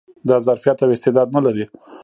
دا ظرفيت او استعداد نه لري